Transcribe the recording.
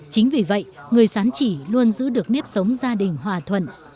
chính vì vậy người sán chỉ luôn giữ được nếp sống gia đình hòa thuận